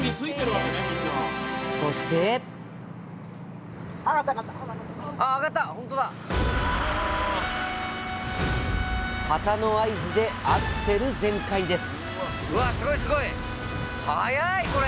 そして旗の合図でアクセル全開です！